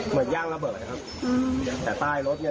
เหมือนย่างระเบิดนะครับอืมแต่ใต้รถเนี้ยลอยเนี้ย